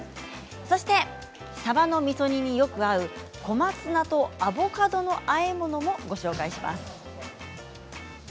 そしてさばのみそ煮によく合う小松菜とアボカドのあえ物もご紹介します。